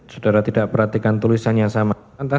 saudara tidak perhatikan tulisannya sama